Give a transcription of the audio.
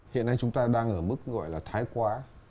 hiện nay chúng ta đang ở mức gọi là thái quá